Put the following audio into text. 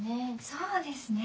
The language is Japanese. そうですね。